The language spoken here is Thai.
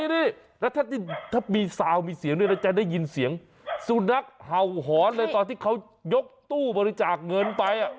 นี่แล้วถ้ามีซาวมีเสียงด้วยนะจะได้ยินเสียงสุนัขเห่าหอนเลยตอนที่เขายกตู้บริจาคเงินไป